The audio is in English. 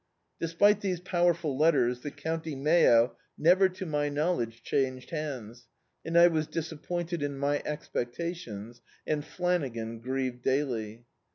Despite these powerful letters, the County Mayo never to my knowledge changed hands, and I was disappointed in my expectations, and Flana gan grieved daily.